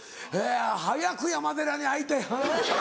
早く山寺に会いたい。